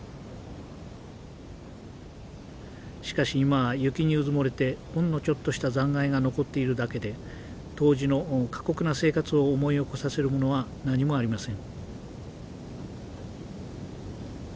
しかし今は雪にうずもれてほんのちょっとした残骸が残っているだけで当時の過酷な生活を思い起こさせるものは何もありません。